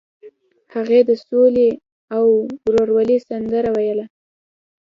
هغه د سولې او ورورولۍ سندره ویله.